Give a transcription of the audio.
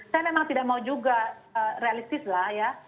saya memang tidak mau juga realistis lah ya